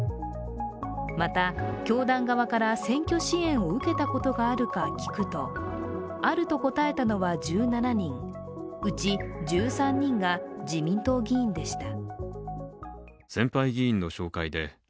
また、教団側から選挙支援を受けたことがあるか聞くとあると答えたのは１７人うち１３人が自民党議員でした。